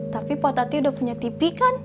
tapi poh tati udah punya tv kan